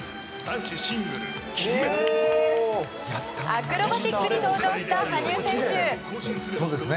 アクロバティックに登場した羽生選手。